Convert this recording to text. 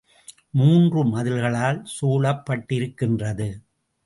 மூன்று மதில்களால் சூழப்பட்டிருக்கின்றது.